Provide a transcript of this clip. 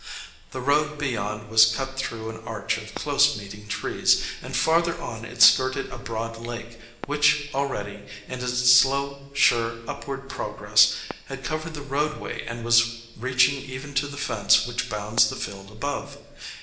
The road beyond was cut through an arch of close meeting trees, and farther on it skirted a broad lake, which already, in its slow, sure, upward progress, had covered the roadway and was reaching even to the fence which bounds the field above.